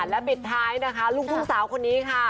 และปิดท้ายนะคะลูกทุ่งสาวคนนี้ค่ะ